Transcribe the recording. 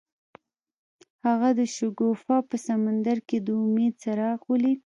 هغه د شګوفه په سمندر کې د امید څراغ ولید.